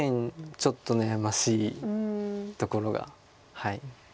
ちょっと悩ましいところがはい。